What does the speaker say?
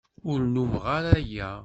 Ur nnummeɣ ara aya.